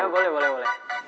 ya boleh boleh boleh